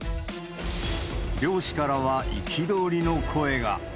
漁師からは憤りの声が。